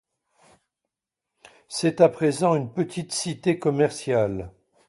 C’est à présent une petite cité commerciale.